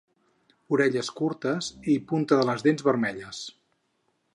Orelles curtes i punta de les dents vermelles.